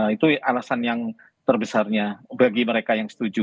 itu alasan yang terbesarnya bagi mereka yang setuju